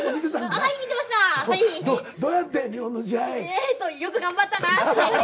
えっとよく頑張ったなって。